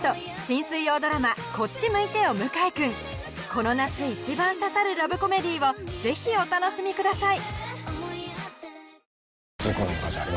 この夏一番刺さるラブコメディをぜひお楽しみください